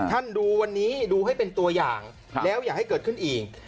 ดูวันนี้ดูให้เป็นตัวอย่างแล้วอย่าให้เกิดขึ้นอีก